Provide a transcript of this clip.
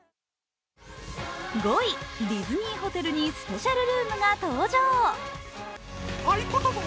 ５位、ディズニーホテルにスペシャルルームが登場。